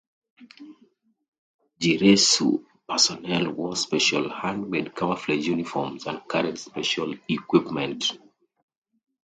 "Giretsu" personnel wore special hand-made camouflage uniforms and carried special equipment.